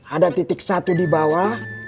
ada titik satu di bawah